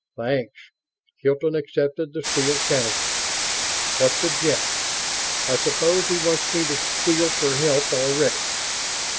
"Thanks." Hilton accepted the sealed canister. "What's the gist? I suppose he wants me to squeal for help already?